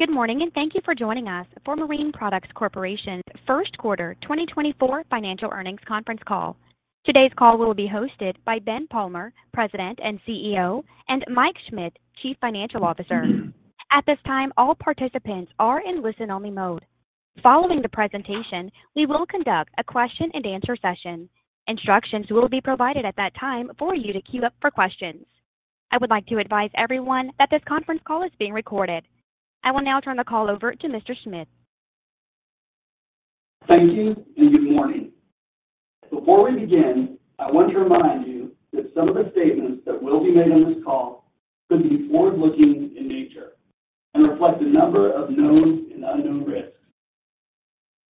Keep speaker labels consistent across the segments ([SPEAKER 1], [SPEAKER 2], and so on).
[SPEAKER 1] Good morning and thank you for joining us for Marine Products Corporation's first quarter 2024 financial earnings conference call. Today's call will be hosted by Ben Palmer, President and CEO, and Mike Schmit, Chief Financial Officer. At this time, all participants are in listen-only mode. Following the presentation, we will conduct a question-and-answer session. Instructions will be provided at that time for you to queue up for questions. I would like to advise everyone that this conference call is being recorded. I will now turn the call over to Mr. Schmit.
[SPEAKER 2] Thank you and good morning. Before we begin, I want to remind you that some of the statements that will be made on this call could be forward-looking in nature and reflect a number of known and unknown risks.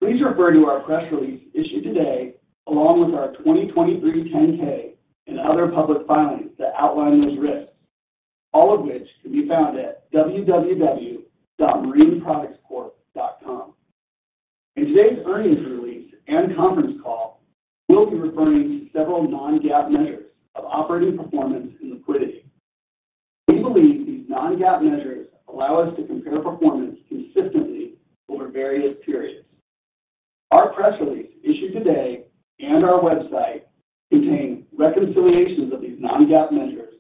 [SPEAKER 2] Please refer to our press release issued today along with our 2023 10-K and other public filings that outline those risks, all of which can be found at www.marineproductscorp.com. In today's earnings release and conference call, we'll be referring to several non-GAAP measures of operating performance and liquidity. We believe these non-GAAP measures allow us to compare performance consistently over various periods. Our press release issued today and our website contain reconciliations of these non-GAAP measures,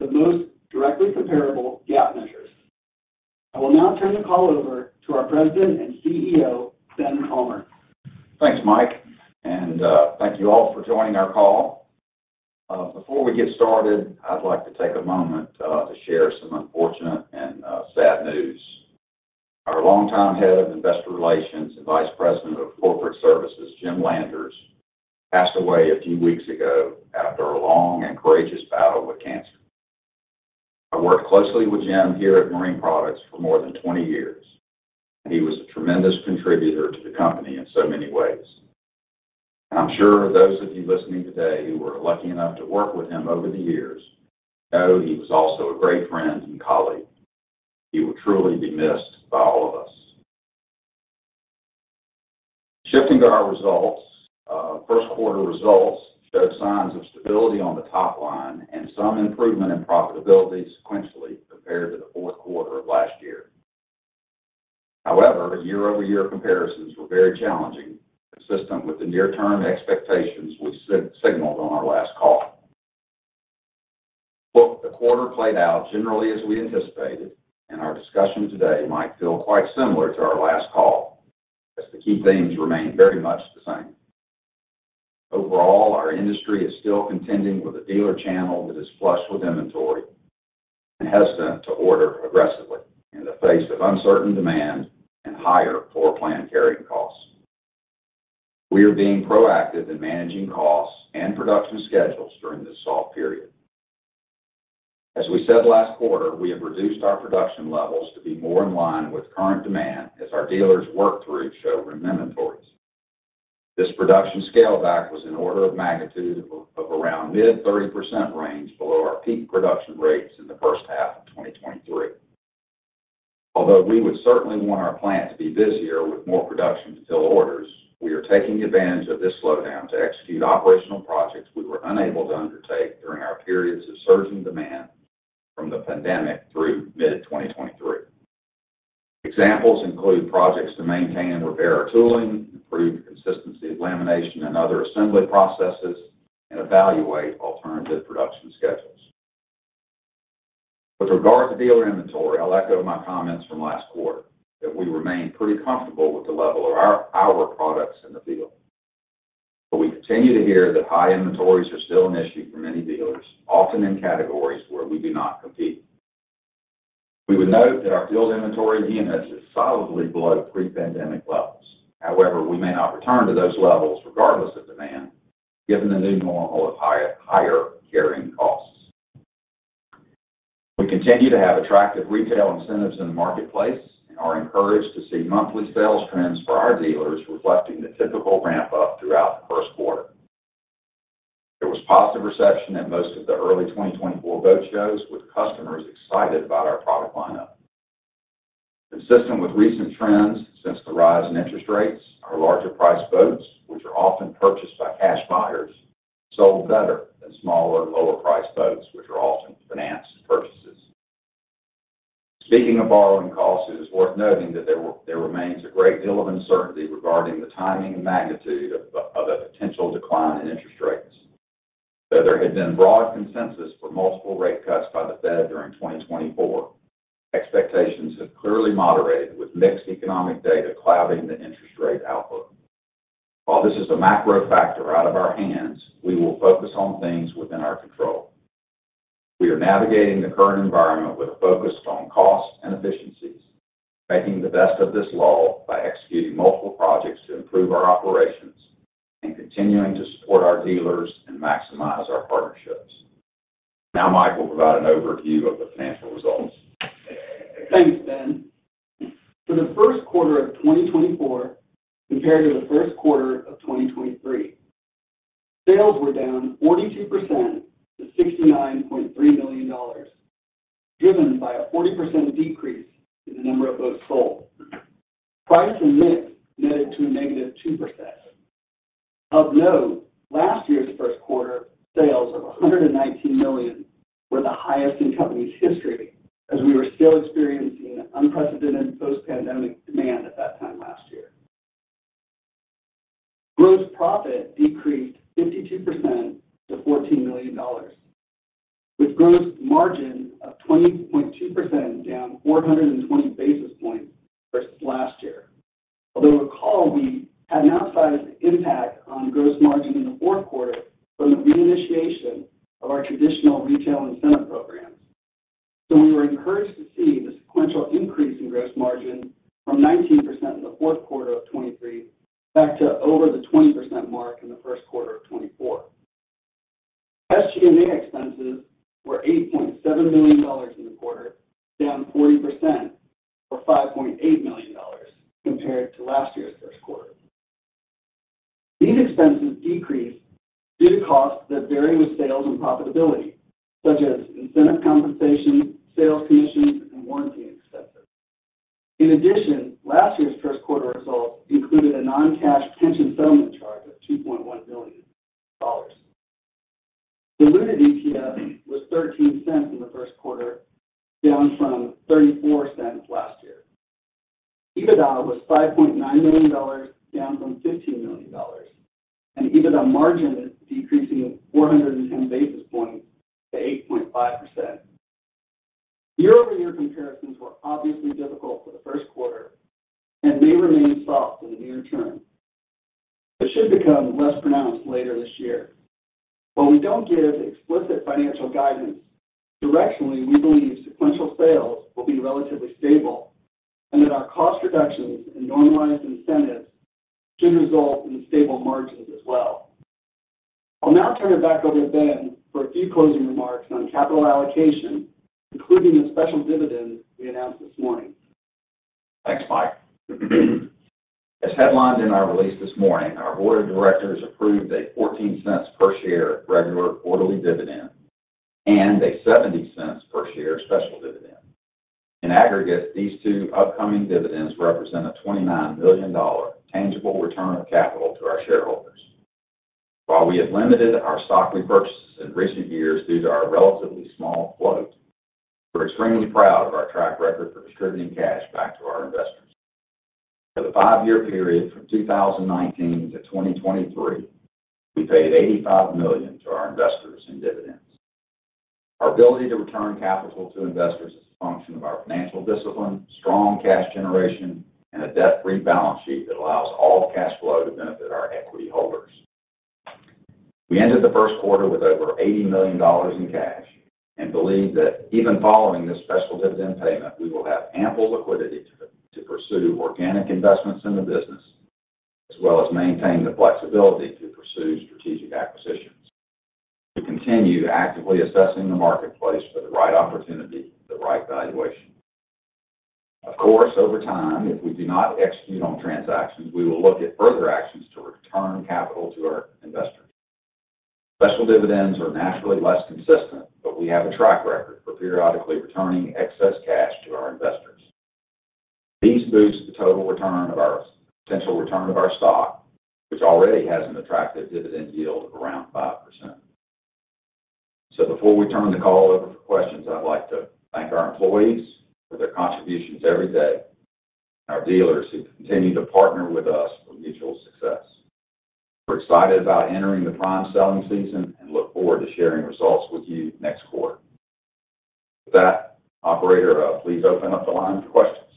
[SPEAKER 2] the most directly comparable GAAP measures. I will now turn the call over to our President and CEO, Ben Palmer.
[SPEAKER 3] Thanks, Mike, and thank you all for joining our call. Before we get started, I'd like to take a moment to share some unfortunate and sad news. Our longtime Head of Investor Relations and Vice President of Corporate Services, Jim Landers, passed away a few weeks ago after a long and courageous battle with cancer. I worked closely with Jim here at Marine Products for more than 20 years, and he was a tremendous contributor to the company in so many ways. And I'm sure those of you listening today who were lucky enough to work with him over the years know he was also a great friend and colleague. He will truly be missed by all of us. Shifting to our results, first quarter results showed signs of stability on the top line and some improvement in profitability sequentially compared to the fourth quarter of last year. However, year-over-year comparisons were very challenging, consistent with the near-term expectations we signaled on our last call. The quarter played out generally as we anticipated, and our discussion today might feel quite similar to our last call as the key themes remain very much the same. Overall, our industry is still contending with a dealer channel that is flush with inventory and hesitant to order aggressively in the face of uncertain demand and higher floor plan carrying costs. We are being proactive in managing costs and production schedules during this soft period. As we said last quarter, we have reduced our production levels to be more in line with current demand as our dealers work through showing inventories. This production scale back was an order of magnitude of around mid-30% range below our peak production rates in the first half of 2023. Although we would certainly want our plant to be busier with more production to fill orders, we are taking advantage of this slowdown to execute operational projects we were unable to undertake during our periods of surging demand from the pandemic through mid-2023. Examples include projects to maintain and repair our tooling, improve consistency of lamination and other assembly processes, and evaluate alternative production schedules. With regard to dealer inventory, I'll echo my comments from last quarter, that we remain pretty comfortable with the level of our products in the field. But we continue to hear that high inventories are still an issue for many dealers, often in categories where we do not compete. We would note that our field inventory units is solidly below pre-pandemic levels. However, we may not return to those levels regardless of demand, given the new normal of higher carrying costs. We continue to have attractive retail incentives in the marketplace and are encouraged to see monthly sales trends for our dealers reflecting the typical ramp-up throughout the first quarter. There was positive reception at most of the early 2024 boat shows, with customers excited about our product lineup. Consistent with recent trends since the rise in interest rates, our larger-priced boats, which are often purchased by cash buyers, sold better than smaller, lower-priced boats, which are often financed purchases. Speaking of borrowing costs, it is worth noting that there remains a great deal of uncertainty regarding the timing and magnitude of a potential decline in interest rates. Though there had been broad consensus for multiple rate cuts by the Fed during 2024, expectations have clearly moderated, with mixed economic data clouding the interest rate outlook. While this is a macro factor out of our hands, we will focus on things within our control. We are navigating the current environment with a focus on costs and efficiencies, making the best of this lull by executing multiple projects to improve our operations and continuing to support our dealers and maximize our partnerships. Now, Mike will provide an overview of the financial results.
[SPEAKER 2] Thanks, Ben. For the first quarter of 2024 compared to the first quarter of 2023, sales were down 42% to $69.3 million, driven by a 40% decrease in the number of boats sold. Price and Mix netted to a -2%. Of note, last year's first quarter sales of $119 million were the highest in company's history, as we were still experiencing unprecedented post-pandemic demand at that time last year. Gross profit decreased 52% to $14 million, with gross margin of 20.2% down 420 basis points versus last year. Although recall, we had an outsized impact on gross margin in the fourth quarter from the reinitiation of our traditional retail incentive programs, so we were encouraged to see the sequential increase in gross margin from 19% in the fourth quarter of 2023 back to over the 20% mark in the first quarter of 2024. SG&A expenses were $8.7 million in the quarter, down 40% or $5.8 million compared to last year's first quarter. These expenses decreased due to costs that vary with sales and profitability, such as incentive compensation, sales commissions, and warranty expenses. In addition, last year's first quarter results included a non-cash pension settlement charge of $2.1 million. Diluted EPS was $0.13 in the first quarter, down from $0.34 last year. EBITDA was $5.9 million, down from $15 million, and EBITDA margin decreasing 410 basis points to 8.5%. Year-over-year comparisons were obviously difficult for the first quarter and may remain soft in the near term. It should become less pronounced later this year. While we don't give explicit financial guidance, directionally we believe sequential sales will be relatively stable and that our cost reductions and normalized incentives should result in stable margins as well. I'll now turn it back over to Ben for a few closing remarks on capital allocation, including the special dividend we announced this morning.
[SPEAKER 3] Thanks, Mike. As headlined in our release this morning, our board of directors approved a $0.14 per share regular quarterly dividend and a $0.70 per share special dividend. In aggregate, these two upcoming dividends represent a $29 million tangible return of capital to our shareholders. While we have limited our stock repurchases in recent years due to our relatively small float, we're extremely proud of our track record for distributing cash back to our investors. Over the five-year period from 2019 to 2023, we paid $85 million to our investors in dividends. Our ability to return capital to investors is a function of our financial discipline, strong cash generation, and a debt-free balance sheet that allows all cash flow to benefit our equity holders. We ended the first quarter with over $80 million in cash and believe that even following this special dividend payment, we will have ample liquidity to pursue organic investments in the business as well as maintain the flexibility to pursue strategic acquisitions. We continue actively assessing the marketplace for the right opportunity at the right valuation. Of course, over time, if we do not execute on transactions, we will look at further actions to return capital to our investors. Special dividends are naturally less consistent, but we have a track record for periodically returning excess cash to our investors. These boost the total return potential of our stock, which already has an attractive dividend yield of around 5%. Before we turn the call over for questions, I'd like to thank our employees for their contributions every day and our dealers who continue to partner with us for mutual success. We're excited about entering the prime selling season and look forward to sharing results with you next quarter. With that, operator, please open up the line for questions.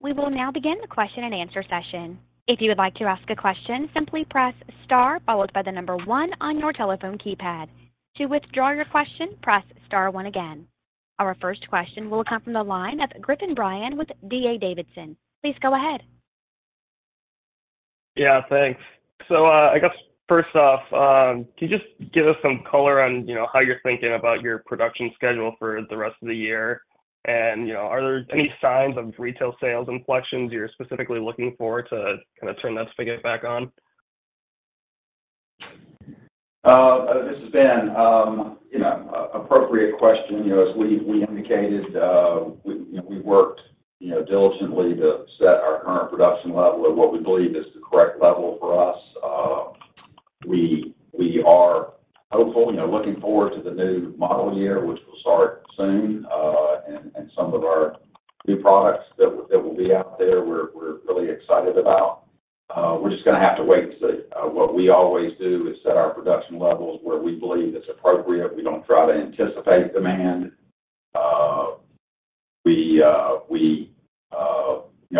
[SPEAKER 1] We will now begin the question-and-answer session. If you would like to ask a question, simply press star followed by the number one on your telephone keypad. To withdraw your question, press star one again. Our first question will come from the line of Griffin Bryan with D.A. Davidson. Please go ahead.
[SPEAKER 4] Yeah, thanks. So I guess first off, can you just give us some color on how you're thinking about your production schedule for the rest of the year? And are there any signs of retail sales inflections you're specifically looking for to kind of turn that spigot back on?
[SPEAKER 3] This is Ben. Appropriate question. As we indicated, we've worked diligently to set our current production level at what we believe is the correct level for us. We are hopeful, looking forward to the new model year, which will start soon, and some of our new products that will be out there we're really excited about. We're just going to have to wait and see. What we always do is set our production levels where we believe it's appropriate. We don't try to anticipate demand.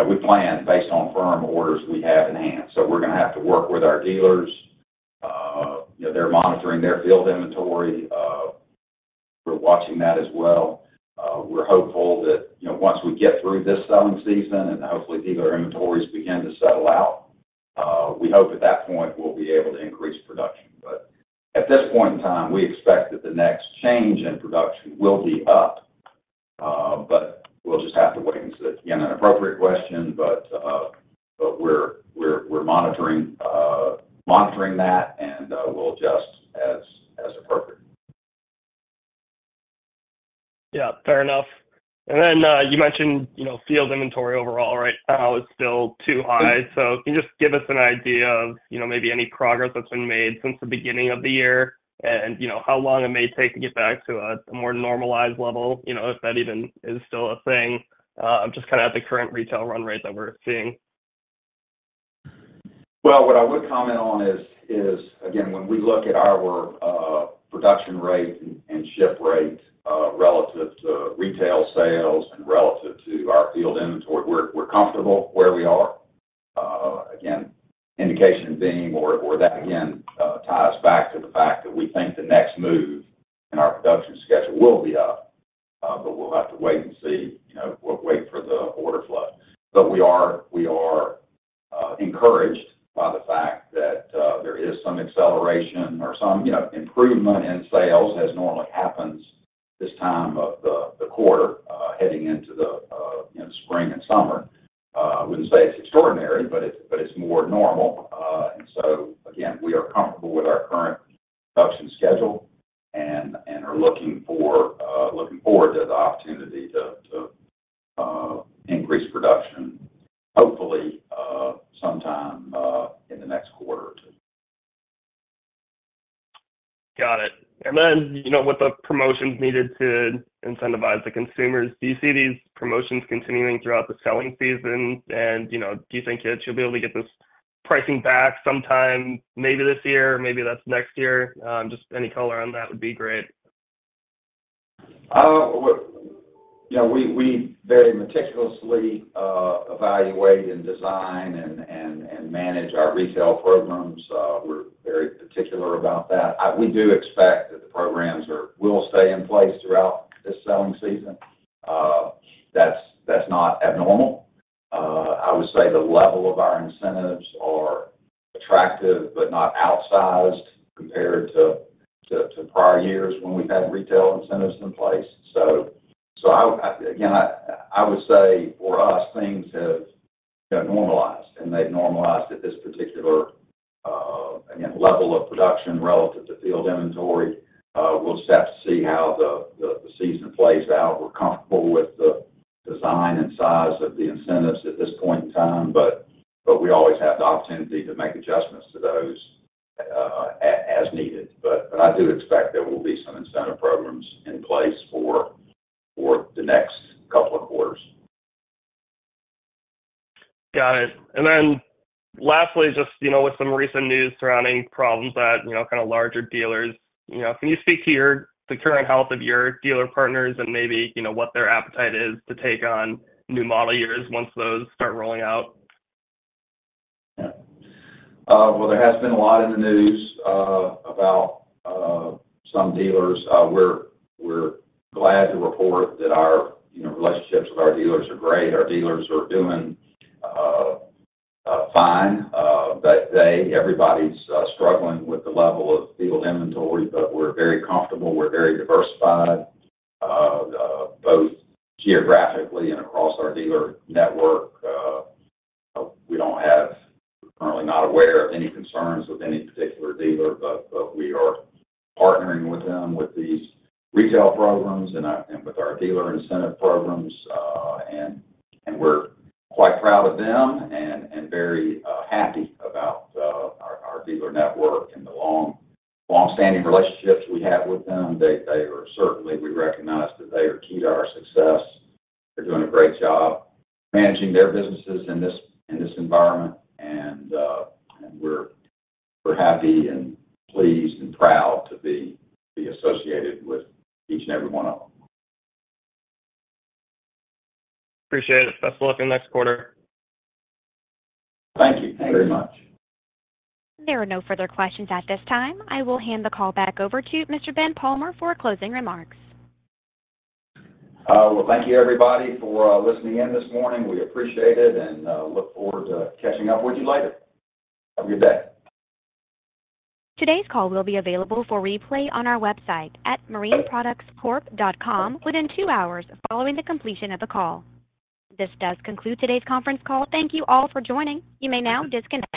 [SPEAKER 3] We plan based on firm orders we have in hand. So we're going to have to work with our dealers. They're monitoring their field inventory. We're watching that as well. We're hopeful that once we get through this selling season and hopefully dealer inventories begin to settle out, we hope at that point we'll be able to increase production. At this point in time, we expect that the next change in production will be up, but we'll just have to wait and see. Again, an appropriate question, but we're monitoring that and we'll adjust as appropriate.
[SPEAKER 4] Yeah, fair enough. And then you mentioned field inventory overall, right, is still too high. So can you just give us an idea of maybe any progress that's been made since the beginning of the year and how long it may take to get back to a more normalized level, if that even is still a thing, just kind of at the current retail run rate that we're seeing?
[SPEAKER 3] Well, what I would comment on is, again, when we look at our production rate and ship rate relative to retail sales and relative to our field inventory, we're comfortable where we are. Again, indication being where that, again, ties back to the fact that we think the next move in our production schedule will be up, but we'll have to wait and see, wait for the order flow. But we are encouraged by the fact that there is some acceleration or some improvement in sales as normally happens this time of the quarter heading into the spring and summer. I wouldn't say it's extraordinary, but it's more normal. And so, again, we are comfortable with our current production schedule and are looking forward to the opportunity to increase production, hopefully sometime in the next quarter or two.
[SPEAKER 4] Got it. Then with the promotions needed to incentivize the consumers, do you see these promotions continuing throughout the selling season? Do you think that you'll be able to get this pricing back sometime, maybe this year, maybe that's next year? Just any color on that would be great.
[SPEAKER 3] We very meticulously evaluate and design and manage our retail programs. We're very particular about that. We do expect that the programs will stay in place throughout this selling season. That's not abnormal. I would say the level of our incentives are attractive but not outsized compared to prior years when we've had retail incentives in place. So, again, I would say for us, things have normalized, and they've normalized at this particular, again, level of production relative to field inventory. We'll just have to see how the season plays out. We're comfortable with the design and size of the incentives at this point in time, but we always have the opportunity to make adjustments to those as needed. But I do expect there will be some incentive programs in place for the next couple of quarters.
[SPEAKER 4] Got it. And then lastly, just with some recent news surrounding problems at kind of larger dealers, can you speak to the current health of your dealer partners and maybe what their appetite is to take on new model years once those start rolling out?
[SPEAKER 3] Yeah. Well, there has been a lot in the news about some dealers. We're glad to report that our relationships with our dealers are great. Our dealers are doing fine. Everybody's struggling with the level of field inventory, but we're very comfortable. We're very diversified both geographically and across our dealer network. We're not currently aware of any concerns with any particular dealer, but we are partnering with them with these retail programs and with our dealer incentive programs. We're quite proud of them and very happy about our dealer network and the longstanding relationships we have with them. Certainly, we recognize that they are key to our success. They're doing a great job managing their businesses in this environment, and we're happy and pleased and proud to be associated with each and every one of them.
[SPEAKER 4] Appreciate it. Best of luck in the next quarter.
[SPEAKER 3] Thank you very much.
[SPEAKER 1] There are no further questions at this time. I will hand the call back over to Mr. Ben Palmer for closing remarks.
[SPEAKER 3] Well, thank you, everybody, for listening in this morning. We appreciate it and look forward to catching up with you later. Have a good day.
[SPEAKER 1] Today's call will be available for replay on our website at marineproductscorp.com within 2 hours following the completion of the call. This does conclude today's conference call. Thank you all for joining. You may now disconnect.